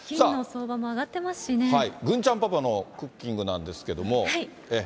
はい、郡ちゃんパパのクッキングなんですけども。